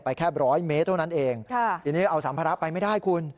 แค่ร้อยเมตรเท่านั้นเองทีนี้เอาสัมภาระไปไม่ได้คุณ